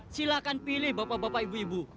silahkan pilih bapak bapak ibu ibu